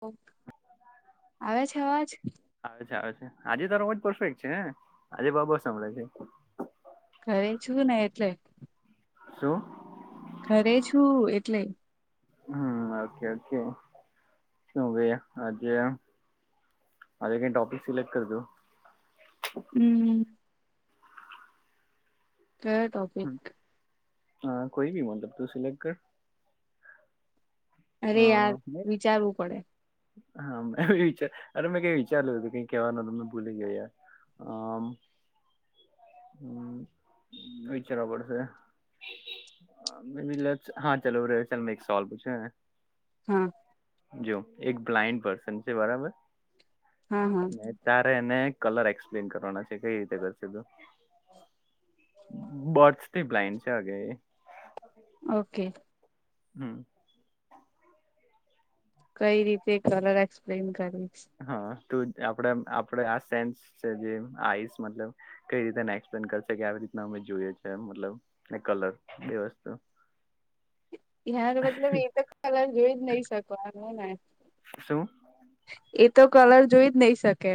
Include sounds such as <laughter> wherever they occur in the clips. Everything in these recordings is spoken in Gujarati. ઓ આવે છે અવાજ? આવે આવે છે આજે તારો જ પરફેક્ટ છે હ આજે બબસ સાભળે છે. ઘરે છું ને એટલે. શું? ઘરે છું એટલે. હમ ઓકે ઓકે શું ભાઈયા આજે. હજે કઈ ટોપિક સિલેક્ટ કરજો. હમ. કયો ટોપીક? હા કોઈ ભી મતલબ તું સિલેક્ટ તો ‍કર. અરે યાર હા વિચારવું પડે હા મે એ વિચાર અરે મેં ક વિચારલ્યું હતું કઈ કેવાનું તમને ભૂલી ગયો ાર આમ હ વિચારવા પડશે મેી હા ચાલલો ચલ મેં એક સવાલ પૂછ્યું હા જો એક બ્લાઇન્ડ પસન છે બરાબર હા હા ત્યારે એને કલર એક્સપ્લેન કરવાના છે કઈ રીતે કરશે તું બર્ડસ બ્લાઇન્ડ છે હગ એ ઓકે હમ કઈ રીતે કલર એક્સપ્લેન કરવી છે હા તું આપ આપડે આ સેન્સ જે આઈસ મતલબ કઈ રીતેને એક્સપ્લેન કરશે કે આવી રીતના અમે જોઈએ છીએ મતલબ એક કલર બે વસ્તુ યાર મતલબ એ તો કલર જોઈ જ નહી શકો એમ એને. શું એ તો કલર જોઈ જ નહી શકે.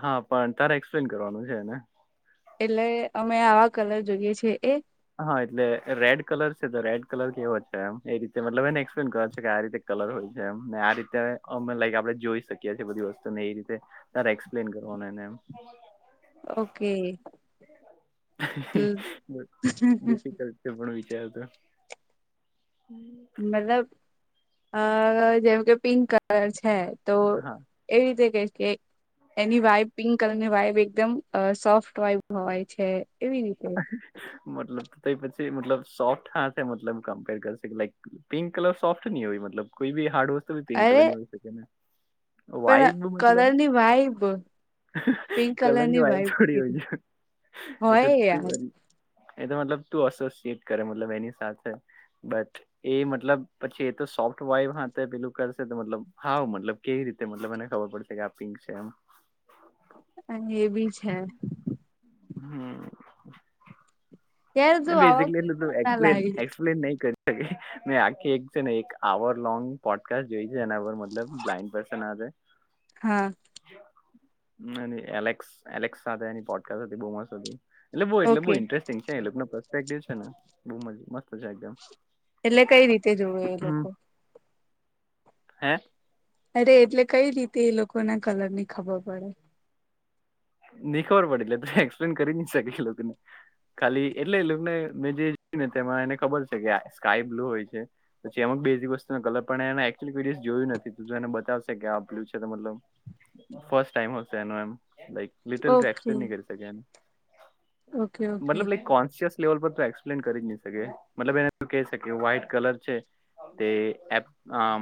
હા પણ તારે એક્સપ્લેન કરવાનું છે એને. એટલે અમે આવા કલર જોઈએ છીએ એ. હા એટલે રેડ કલર છે તો રેડ કલર કેવો છે એમ એ રીતે મતલબ એને એક્સપ્લેન કરવાનું છે કે આ રીતે. કલર હોય છે એમ ને આ રીતે અમે લાઈક આપણે જોઈ શકીએ છીએ બધી વસ્તુ ને એ રીતે. તારે એક્સપ્લેન કરવાનું એને એમ. ઓકે. ડિફિકલ્ટ છે પણ વિચારુ તો. મતલબ અ જેમ કે પિંક કલર છે તો. હા એવી રીતે કે એની વાઈબ પિંક કલરની વાઈબ એકદમ સોફ્ટ. વાઈબ હોય છે એવી રીતે. મતલબ તે પછી મતલબ સોથ હાથે મતલબ કમ્પેર કરશે કે લાઈક. પિંક કલર સોફ્ટ ની હોય મતલબ કોઈ બી હાર્ડ વસ્તુ બી પિંક અરે કલર ની હોઈ શકે ને. પણ વાઈબ મતલબ કલરની વાઈબ પિંક કલરની વાયબ. વાઈબ એવું કીધું એ તો હોય ટુ. યાર એ તો મતલબ તું એસોસિયટ કરે મતલબ એની સાથે બટ. એ મતલબ પછી એ તો સોફ્ટ વાઈવ હા તે પેલું કરશે તો મતલબ હા મતલબ. કેવી રીતે મતલબ મને ખબર પડશે કે આ પિંક છે એમ. એન્ડ એ બી છે. હમ. યાર તું આવા બેસિકલી કોઈ એટલે તું ના એક્સપ્લેન લાગે એક્સપ્લેન નહી કરી. શકી મેં આખી એક છે ને એક આવર લોંગ પોડકાસ્ટ જોઈ છે એના પર મતલબ બ્લાઈન્ડ પર્સન હાતે. હા. અને એલેક્સ એલેક્સ સાથે એની પોડકાસ્ટ હતી બોવ મસ્ત હતી. એટલે બહુ એટલે ઓકે બહુ ઇન્ટરેસ્ટિંગ છે એ લોકો નો પ્રોસ્પેક્ટિવ છે ને બવ મ મસ્ત છે એકદમ. એટલે કઈ રીતે જોવે એ લોકો. હે. અરે એટલે કઈ રીતે એ લોકો ને કલરની ખબર પડે. ની ખબર પડી એટલે તું એક્સપ્લેન કરી ની શકે એ લોકોને. ખાલી એટલે એ લોક ને મેં જે જોયું ને તેમાં એને ખબર છે કે સ્કાય બ્લુ હોય છે. પછી એમાં બેઝિક વસ્તુ કલર પણ એકચુલી કોઈ દિવસ જોયું નથી તું એને બતાવશે કે આ આ બ્લુ છે તો મતલબ. ફર્સ્ટ ટાઈમ હશે એનું એમ like little too okay explain નહી કરી શકે એને. ઓકે ઓકે મતલબ લાઈક કોન્સિયસ. લેવલ પર તું એક્સપ્લેન કરી જ નહી શકે મતલબ એને કે છે કે વ્હાઈટ કલર છે. તે એપ આ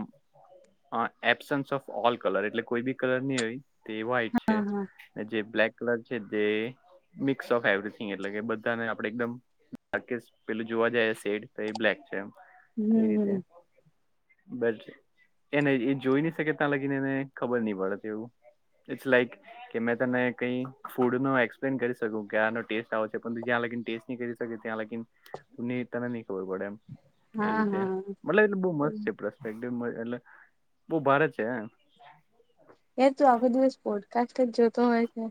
હા એબસન્સ ઓફ ઓલ કલર એટલે કોઈ બી કલર નહી હોય તે વ્હાઈટ હા છે હા ને જે બ્લેક કલર છે જે મિક્સ ઓફ એવરીથીંગ એટલે કે બધાને આપડે એકદમ પેલું જોવા જાય સેડ તો એ બ્લેક છે એ હમ એ હમ રીતે બટ એને એ જોઈ ન શકે ત્યાં લાગીને એને ખબર નહી પડે તે એવું ફેસ લાઈટ કે મેં તને કઈ ફૂડ નો એક્સપ્લેન કરી શકુ કે આનો ટેસ્ટ આવો છે પણ જ્યાં લગન ટેસ કરી કે ત્યાં લગીન તને ખબર પડે એમ એ હા રીતે હા મતલબ એટલે બો મસ્ત છે પરસ્પેક્ટિવ એટલે બો ભારે છે એ તો આખો દિવસ પોડકાસ્ટ જ જોતો હોય છે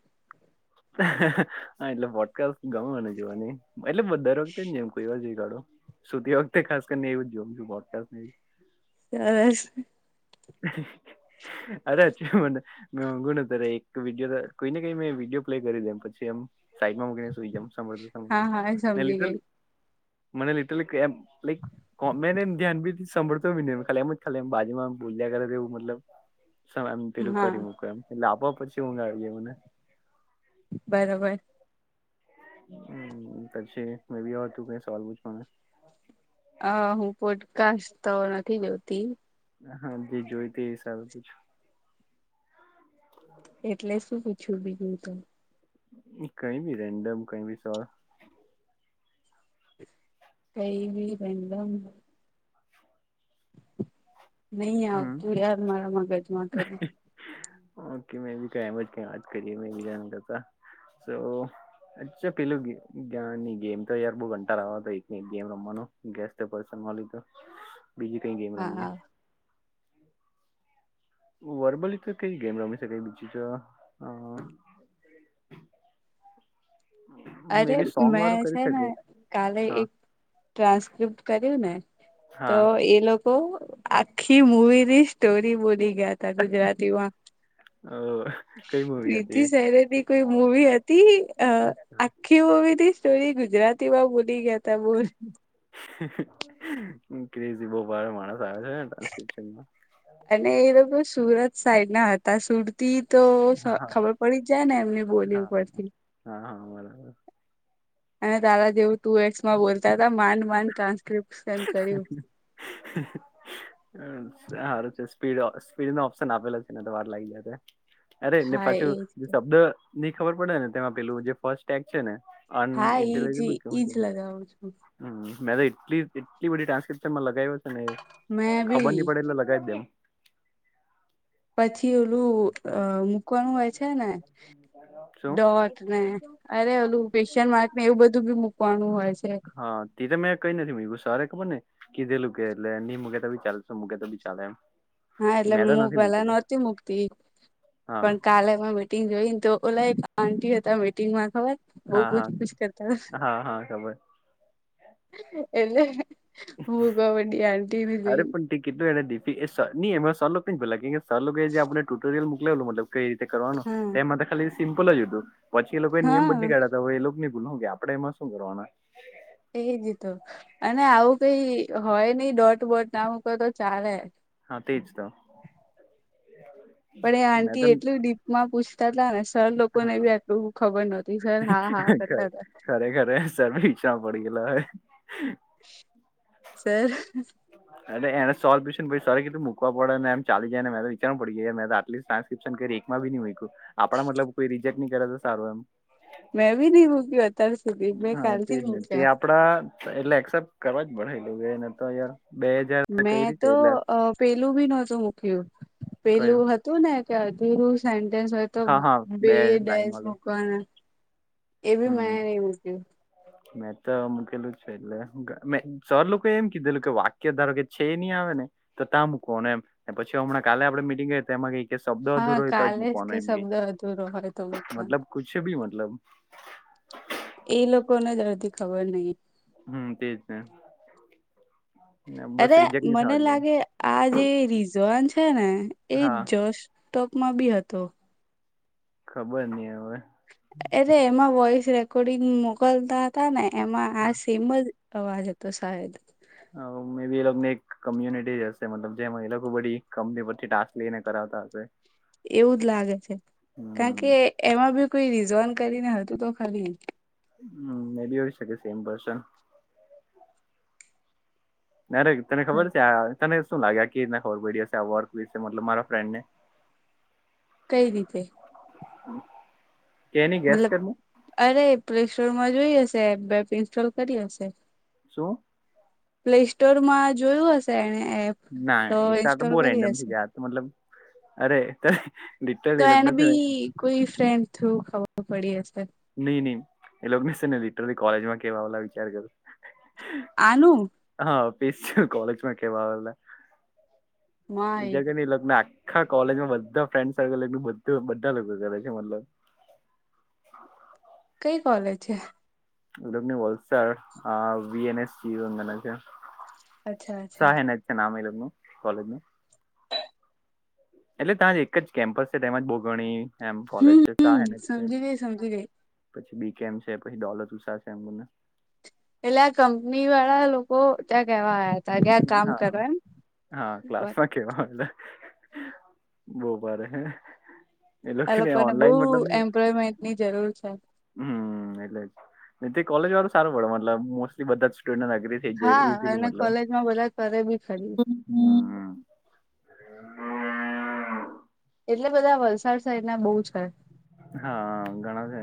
હા એટલે વોટકાસ્ટ ગમે મને જોવાની એટલે દર વખતે ની એમ કોઈ વાર જોઈ કાઢું સુતી વખતે ખાસ કરીને એવુજ જોમ <inaudible> <unintelligible> અરે અચું મને ગુણ ત એક વિડીયો કોઈને કઈ મેં વિડીયો પ્લે કરી દમ પછી એમ સાઈટમાં મૂકીને સુઈ જમ સમદ્ર હા હા સમદ્ર ને સમજી ગઈ લીટરલી મને લિટલ ધ્યાન બી સાંભળતોબી ની ખાલી એમ જ ખાલી એમ બાજુમાં બોલ્યા કરે તે એવું મતલબ સમએમ પેલું હા કરી મૂક એમ એટલે આપોઆપ પછી ઊંઘ આવી જય મને બરોબર હમ <unintelligible> અ હું પોડકાસ્ટ તો નથી જોતી હા જે જોય તે સારું પ હા એટલે શું પૂછ્યું બીજું તો કઈ ભી રેન્ડમ કઈ ભી સ કઈબી રેન્ડમ નહી હમ આવતું યાર મારા મગજમાં કઈ ઓકે મેબી <unintelligible> અચ્છા પેલુંની ગેમ તો યાર બહુ કટાળો આવે એકનેએક ગેમ રમવાનો ગેસ તો પરેશાન મળિક હ બીજી કઈ ગેમ રમીએ વરબલી તો કઈ ગેમ રમી શકાય બીજી તો અ અરે મે બી સોંગ મેં વાળું કરી છે ને શકે કાલે હા એક ટ્રાન્સ્કિપ્ટ કર્યું ને તો હા એ લોક બઉ આખી મુવી ની સ્ટોરી બોલી ગયા ગુજરાતીમાં અ કઈ મૂવી હતી રીધી સહેરેદી કઈ મૂવી હતી અ આખી મૂવી થી સ્ટોરી ગુજરાત તેવા ભૂલી ગયા તાબોર <inaudible> બો ભારે માણસ આવે છે ટ્રાન્સક્રિપ્શનમાં. અને એ લોકો સુરત સાઈડ ના હતા સુરતી તો સ હા હા ખબર પડી જાય ને એમની બોલી હા. ઉપરથી હા હા બરાબર અને તારા હેવુ ટુ એક્સ માં બોલતા હતા માંડ માંડ ટ્રાન્સ્ક્રિપ્ટ <unintelligible> હારું છે સ્પીડ સ્પીડ નો ઓપ્શન આપેલો છે ને તો વાર લાગી જાય અરે ને હા પાછું એજ તો. શબ્દ ની ખબર પડે ને તેમાં પેલું જે ફર્સ્ટ એગ છે ને હા ઈજ અનઇન્ટેલીજેબલ ઈજ કેવાય લગાવું છું હમ મેં તો એટલી એટલી બધી ટાન્સ્ક્રિપ એમાં લગાવ્યો છે ને મેં ખબર બી નહી પડે એટલે લગાવી દેમ પછી ઓલું મૂકવાનું હોય છે ને શું? ડોટ ને અરે ઓલું ક્વેશ્ચન માર્ક ને એવું બધું બી મૂકવાનું હોય છે. હા તે તો મેં કઈ નથી મેકુ સવારે ખબર ને. કીધેલું કે એટલે નહી મૂકે તો બી ચાલેશે મૂકે તો બી ચાલશે એમ. હા એટલે મેં તો હું નથી પેલા મૂકેલું નહોતી મુકતી હા પણ કાલે માં બેઠ. મિટિંગ જોઈ ને તો ઓલા એક આંન્ટી હતા મીટિંગમાં ખબર. બહુ હા પૂછ હા પૂછ કરતા. હા હા ખબર એટલે હું કબડી આંટી જોઈ. કેટલો એણે ડીપી એ સર ની એમને સર લોકો એ જે આપણે ટુટોરીઅલ મૂકલેલું મતલબ. કઈ રીતે કરવાનું હા એમાં તો ખાલી સિમ્પલ જ હતું પછી એ લોકો એ નિયમ બદલી હા કાઢ્યા તો હવે એ લોક ને. કે આપડે એમાં શું કરવાના. એ જી તો અને આવું કઈ હોય નહી ડોટ બોટ ના મૂકો તો ચાલે. હા તેજ તો. પણ એ મેં આંટી તો એટલું ડીપમાં પૂછ. કરતા હતા ને સર લોકો ને હા બી આટલું ખબર નહોતી સર હા હા કરતા હતા. ખરેખરે સર પીછામાં પડી ગયેલા હોય. સર. એટ એને સોલ્વ્ય પછ સોરી કધું મૂકવાડ ને એમ ચલી જાય મે તો વિચારવા પડી ગઈ મે તો આટલી માં ન આપ મલબ કોઈ રિજેક્ટ કરે તો સારું એમ. મે ભી નહી રૂકી બત સુધલી મેં કથી ત ક્યા કડા એટલે એસેપ્ટ કરવા જ મળેને તોયાર બે હાજાર ક મેં રીતે તો એટલે પેલું બી નહોતું મૂક્યું પેલું કયું હતું ને કે અધીરુ સેન્ટેન્સ હોય તો હા હા બે લાઈન ડેસ વાળું મુકવાના. એ ભી મેં હમ નહી બૂલતી. મેં તો મુૂકેલું છે એટલે મે સર લોકો એમ કીધેલું કે વા ધારો કે છે એ નહીં આવે ને તો ત મૂકને એ પછી હમણાં કાલે આપણે મિટિંગ કરી તો એમાં કઈ. કે શબ્દ હા અધૂરો રહેતો જ કાલે મૂકવાનો કે એમ ગ શબ્દ અધૂરો હોય તો મૂકવાનો મતલબ કુછ બી મતલબ એ લોકોને દર્દી ખબર નઈ. હમ્મ તેજ ને. ને બસ અરે રિજેક્ટ નહી થવા મને જોઈએ લાગે આ જે રિઝોન છે ને એ હા જસ ટોપમાં બી હતો. ખબર નહી હવે. અરે એમાં વોઇસ રેકોર્ડિંગ મોકલતા હતા ને એમાં આ સેમ જ અવાજ તો શાયદ. હા <inaudible> એ ને એક કમ્યુનિટી જ હશે મતલબ જેમાં એ લોકો બધી કંપની પરથી ટાસ્ક લઈને કરાવતા હશે. એવું જ લાગે છે કારણ હમ કે એમાં બી કોઈ રીઝન કરીને હતું તો ખાલી. હમ્મ મે બી હો શકે સેમ પર્સન. નારે તને ખબર છે આ તને શું લાગે આ કે રીતના ખબર પડી હશે આ વર્ક મતલબ મારા ફ્રેન્ડ ને કઈ રીતે? કેની ગેસ મતલબ કરની અરે પ્લેસ્ટોર માં જોઈ હશે એ બેપ ઇન્સ્ટોલ કરી હશે. શું? પ્લે સ્ટોર માં જોયું હશે એને એપ. ના એ તો આ તો ઇન્સ્ટોલ બહુ કરી રેન્ડમ હશે થ ત તો મતલબ અરે. તો લિટરલી એ એને લોકોને છે ને બી કોઈ ફ્રેન્ડ થ્રુ ખબર પડી હશે નઈ નઈ એ લોકોને ન લીટરથી કોલેજમાં કેવા ઓ વિચાર કરો. આલુ. હા પસ છે કોલેજમાં કેવા આવેલા માય બીજા ક લગ્ન હા કોલેજમાં બધા ફ્રેન્ડ સર્કલટલુંધ બધા લોકો કરે છે મતલબ <inaudible> એ કોલેજ છે. અચ્છા અચ્છા <unintelligible> નામ એ લગનું કોલેજમાં એટલે ત્યાં એક જ કેમ્પસ છે તેમાંજ બોગણી એમ હમ કોલેજ છે હમ સહે છે. સમજી ગઈ સમજી ગઈ પછી બી કેમ છે પછી ડોલર ઉસા છે એમ બને એટલે આ કંપની વાળા લોકો ત્યાં કેવા આયા તા તગ્યા કામ કર. હા હા <unintelligible> આ લોકોને બહુ એમ્પ્લોયમેન્ટ ની જરૂર છે. હમ્મ એટલે જ કોલેજ વાળું સારું પડે મતલબ મોસ્ટલી બધા જ સ્ટુડન્ટ એગ્રી હા અને કોલેજમાં બધા કરે બી ખરી <unintelligible> એટલે બધા વલસાડ સાહેડ ના બહુ જ છે. હા ઘણા છે.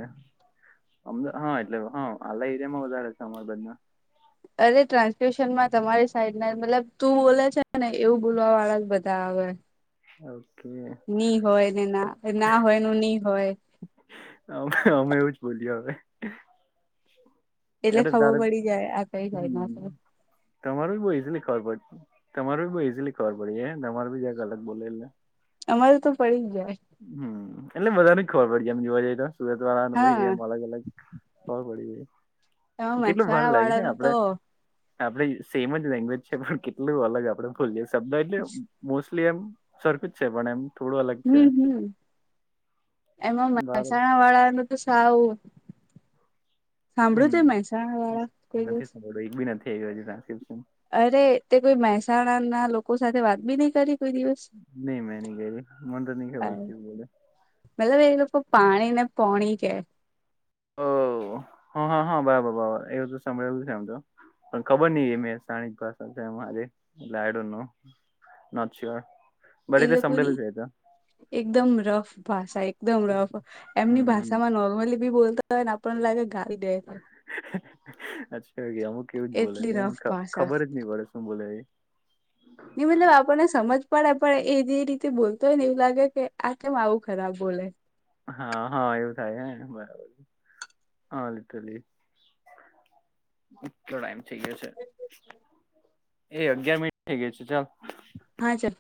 અમદા હા એટલે હા આલા એરિયા માં વધારે છે. <unintelligible> અરે ટ્રાન્સલેશન માં તમારી સાઈડ ના મતલબ તું બોલે છે ને એવું બોલવા વાળા જ બધા આવેય <unintelligible> ની હોય ને ના ના હોય નુ ની હોય. અમે અમે એવું જ બોલીએ હવે એટલે અરે ખબર તારે પડી જાય આ કઈ સાઇડ ના હમ સે? તમારું બઉ ઈઝીલી ખબર પડ તમારું બહુ ઈઝીલી ખબર પડી હે તમાર બીજા અલગ બોલે એટલે અમારે તો પડી જ જાય. હમ્મ એટલે બધાને ખબર પડી જ જાય એમ જોવા જઈએ તો સુરત વાળા ભાઈ હા એમ અલગ અલગ ખબર પડી જાય એમાં કેટલું મહેસાણા <unintelligible> વાળાનું તો આપડે આપડે સેમ જ લેંગ્વેજ છે પણ કેટલું અલગ આપડે બોલીએ શબ્દ એટલે મોસ્ટલી એમ સરખું જ છે પણ એમ થોડું અલગ છે. હમ હમ એમાં ભારે મહેસાણા વાળા નું તો સાવું સાંભળ્યું હમ છે મહેસાણા વાળા કોઈ દિવસ? <unintelligible> ટ્રાન્સક્રિપ્શન અરે તે કોઈ મહેસાણા ના લોકો સાથે વાત બી નહી કરી. કોઈ દિવસ નહી મેં નય કયરી મન તો નય ખબર કેવું બોલે? મતલબ એ લોકો પાણી ને પોણી કે ઓ હા હા હા બરાબર બરબર એવું તો સાંભળેલું છે આમતો પણ ખબર નઈ એ મેહસાણી ભાષા છે અમારે એટલે આઈ ડોન્ટ નો અચ્છા એ લોકોની <unintelligible> એકદમ રફ ભાષા એકદમ રફ એમની હમ ભાષા માં નોર્મલી બી બોલતા ને આપણને લાગે ગાલી દેય અચ્છા ગ અમુક કેવું જ બોલે એટલી છે રફ ખ ભાષા ખબર જ નહી પડે શું બોલે એ. ની મતલબ આપણને સમજ પડે પણ એ જે રીતે બોલતો હોય ને એવું લાગે કે આ કેમ આવું ખરાબ બોલે હા હા એવું થાય હે બરાબર હા લીટરલી. એટલો ટાઈમ થઇ ગયો છે. એ અગિયાર મિનિટ થઈ ગય છે ચાલ. હા ચલ.